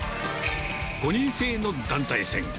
５人制の団体戦。